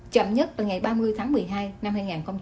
chậm nhất vào ngày ba mươi tháng một mươi hai năm hai nghìn hai mươi